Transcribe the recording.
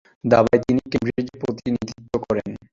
দাবায় তিনি ক্যামব্রিজের প্রতিনিধিত্ব করেন।